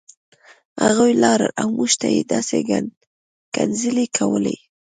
هغوی لاړل او موږ ته یې همداسې کنځلې کولې